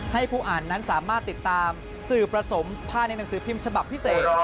ให้ผู้อ่านนั้นสามารถติดตามสื่อประสมภายในหนังสือพิมพ์ฉบับพิเศษ